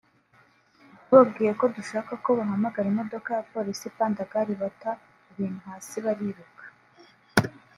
tubabwiye ko dushaka ko bahamagara imodoka ya Polisi “Pandagari” bata ibintu hasi bariruka